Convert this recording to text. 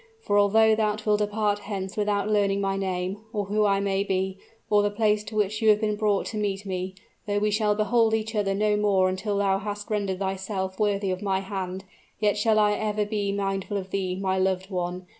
For although thou wilt depart hence without learning my name, or who I may be, or the place to which you have been brought to meet me, though we shall behold each other no more until thou hast rendered thyself worthy of my hand, yet shall I ever be mindful of thee, my loved one!